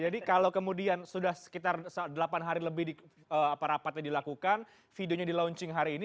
jadi kalau kemudian sudah sekitar delapan hari lebih rapatnya dilakukan videonya di launching hari ini